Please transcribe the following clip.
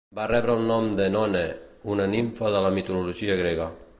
Va rebre el nom d'Enone, una nimfa de la mitologia grega.